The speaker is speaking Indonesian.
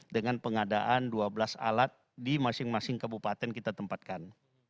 dengan pengadaan dua belas alat di masing masing kabupaten kita tempatkan